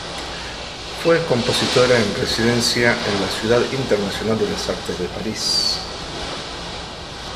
Fue compositora en residencia en la Ciudad Internacional de las Artes de Paris.